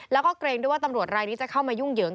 แล้วก็เกรงด้วยว่าตำรวจรายนี้จะเข้ามายุ่งเหยิง